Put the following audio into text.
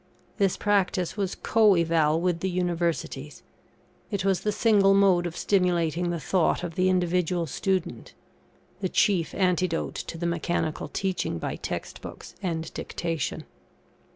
This practice was co eval with the Universities; it was the single mode of stimulating the thought of the individual student; the chief antidote to the mechanical teaching by Text books and dictation.